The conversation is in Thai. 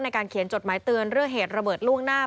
ในการเขียนจดหมายเตือนเรื่องเหตุระเบิดล่วงหน้า